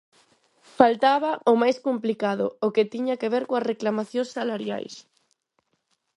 Faltaba o "máis complicado", o que tiña que ver coas reclamacións salariais.